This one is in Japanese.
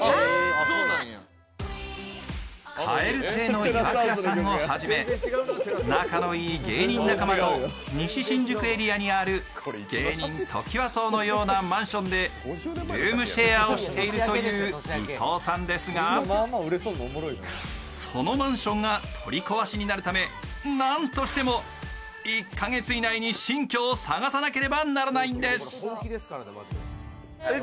蛙亭のイワクラさんをはじめ仲のいい芸人仲間と西新宿エリアにある芸人ときわ荘のようなマンションでルームシェアをしているという伊藤さんですがそのマンションが取り壊しになるため、なんとしても１カ月以内に新居を探さなければならないんです。